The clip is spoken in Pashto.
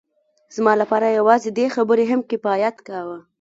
زما لپاره یوازې دې خبرې هم کفایت کاوه